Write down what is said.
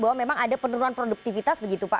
bahwa memang ada penurunan produktivitas begitu pak